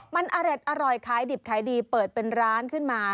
มันอร่อยขายดิบขายดีเปิดเป็นร้านขึ้นมา